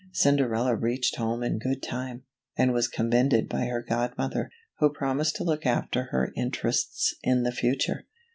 Cinderella reached home in good time, and was commended by her godmother, who promised to look after her interests in the future.